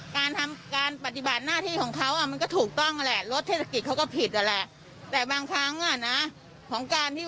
เขาขออะไรก็อนุโรมากไม่ใช่ว่าไอผมเจาะแช่อย่างนี้